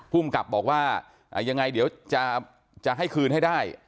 ภูมิกับบอกว่ายังไงเดี๋ยวจะให้คืนให้ได้